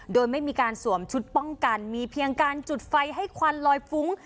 โดยไม่มีการสวมชุดป้องกันมีเพียงการจุดไฟให้ควันลอยฟุ้ง